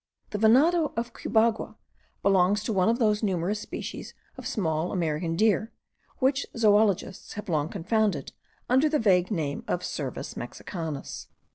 The venado of Cubagua belongs to one of those numerous species of small American deer, which zoologists have long confounded under the vague name of Cervus mexicanus.